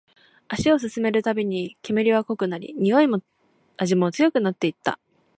足を進めるたびに、煙は濃くなり、においも味も強くなっていった